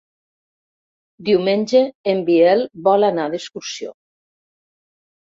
Diumenge en Biel vol anar d'excursió.